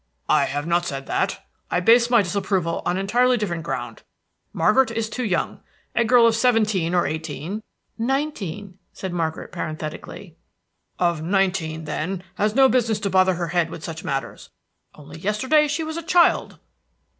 "I have not said that. I base my disapproval on entirely different ground. Margaret is too young. A girl of seventeen or eighteen" "Nineteen," said Margaret, parenthetically. "Of nineteen, then, has no business to bother her head with such matters. Only yesterday she was a child!"